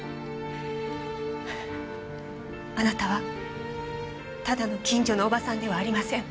あなたはただの近所のおばさんではありません。